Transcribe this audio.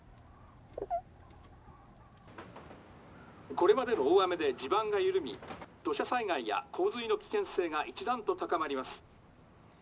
「これまでの大雨で地盤が緩み土砂災害や洪水の危険性が一段と高まります。